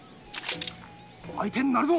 相手になるぞ！